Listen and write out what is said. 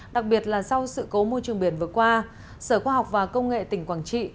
đặc biệt là sau sự cố môi trường biển vừa qua sở khoa học và công nghệ tỉnh quảng trị